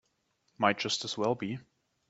Might just as well be.